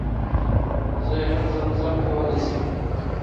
زه يي هم زم زمه کولی شم